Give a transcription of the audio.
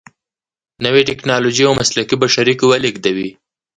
نوې ټیکنالوجې او مسلکي بشري قوه لیږدوي.